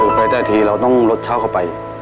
คือไปแต่ทีเราต้องรถชาวเข้าไป